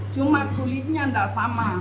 cuma kulitnya tidak sama